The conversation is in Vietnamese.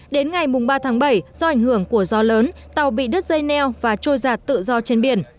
đến ngày ba tháng bảy do ảnh hưởng của gió lớn tàu bị đứt dây neo và trôi giặt tự do trên biển